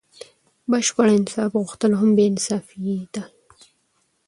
بشپړ انصاف غوښتل هم بې انصافي دئ.